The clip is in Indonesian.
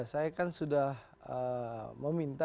saya kan sudah meminta